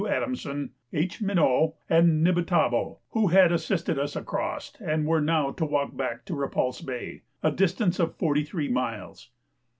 Adamson, H. Mineau, and Nibitabo) who had assisted us across, and were now to walk back to Repulse Bay, a distance of forty three miles.